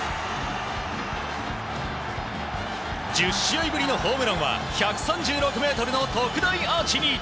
１０試合ぶりのホームランは１３６ｍの特大アーチに！